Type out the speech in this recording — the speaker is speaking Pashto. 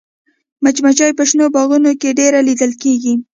مچمچۍ په شنو باغونو کې ډېره لیدل کېږي